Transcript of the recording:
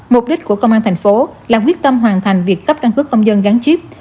mục đích của công an tp hcm là quyết tâm hoàn thành việc cấp căn cứ công dân gắn chip